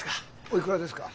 おいくらですか？